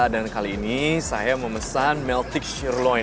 dan kali ini saya memesan meltyk sheerloin